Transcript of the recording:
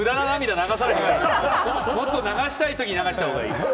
流さないで、もっと流したいときに流したほうがいい。